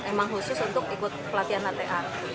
emang khusus untuk ikut pelatihan latte art